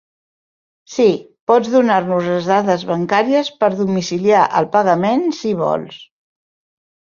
Sí, pots donar-nos les dades bancàries per domiciliar el pagament si vols.